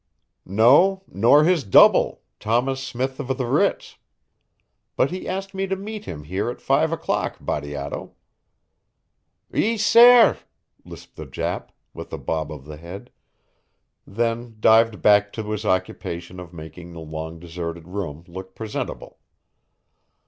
"No, nor his double, Thomas Smith of the Ritz; but he asked me to meet him here at 5 o'clock, Bateato." "Ees sair!" lisped the Jap, with a bob of the head; then dived back to his occupation of making the long deserted room look presentable.